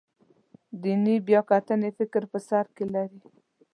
دیني بیاکتنې فکر په سر کې لري.